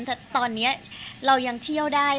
แต่ตอนนี้เรายังเที่ยวได้